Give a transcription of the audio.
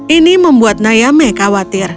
ini membuat nayame khawatir